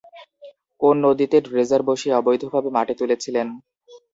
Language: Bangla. কোন নদীতে ড্রেজার বসিয়ে অবৈধভাবে মাটি তুলছিলেন?